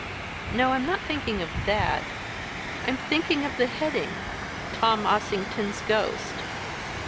"No, I'm not thinking of that. I'm thinking of the heading 'Tom Ossington's Ghost.'